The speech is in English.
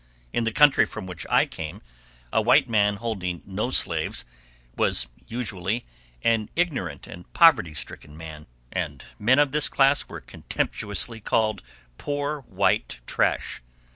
In the country from which I came, a white man holding no slaves was usually an ignorant and poverty stricken man, and men of this class were contemptuously called "poor white trash."